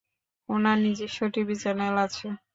উনার নিজস্ব TV channel আছে।